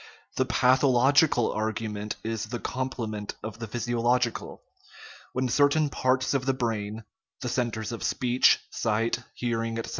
The pathological argument is the com plement of the physiological ; when certain parts of the brain (the centres of speech, sight, hearing, etc.)